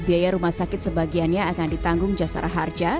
biaya rumah sakit sebagiannya akan ditanggung jasara harja